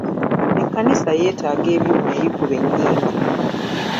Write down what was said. Ekkanisa yeetaaga ebyuma ebikuba ennyimba.